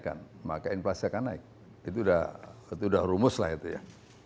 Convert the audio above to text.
kalau kita naikkan maka inflasi akan naik itu udah rumus lah itu ya